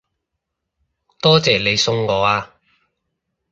多謝你送我啊